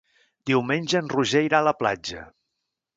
Diumenge en Roger irà a la platja.